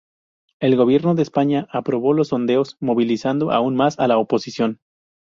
El Gobierno de España aprobó los sondeos, movilizando aún más a la oposición.